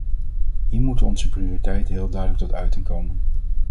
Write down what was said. Hier moeten onze prioriteiten heel duidelijk tot uiting komen.